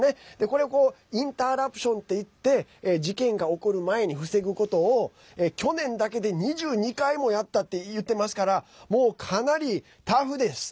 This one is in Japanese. これをインターラプションっていって事件が起こる前に防ぐことを去年だけで２２回もやったって言ってますからもう、かなりタフです。